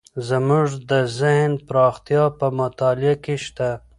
زموږ د ذهن پراختیا په مطالعه کې شته.